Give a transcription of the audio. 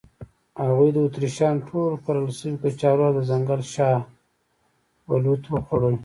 هغوی د اتریشیانو ټول کرل شوي کچالو او د ځنګل شاه بلوط وخوړل.